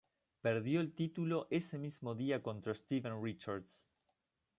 Perdió el título ese mismo día contra Steven Richards.